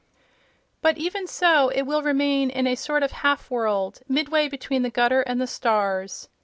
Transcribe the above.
But even so, it will remain in a sort of half world, midway between the gutter and the stars.